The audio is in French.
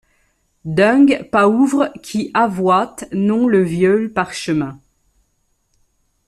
D’ung Paouvre qui avoyt nom le Vieulx-par-Chemins.